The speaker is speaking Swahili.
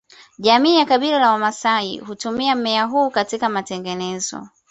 Jamii ya Kabila la Wamaasai hutumia mmea huu katika matengenezo